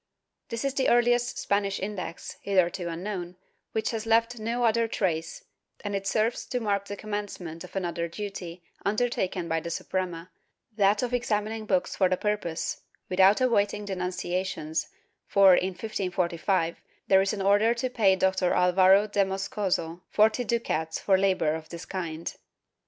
^ This is the earHest Spanish Index, hitherto imknown, which has left no other trace, and it serves to mark the commencement of another duty undertaken by the Suprema, that of examining books for the purpose, without awaiting denunciations, for, in 1545 there is an order to pay Dr. Alvaro de Moscoso forty ducats for labor of this kind.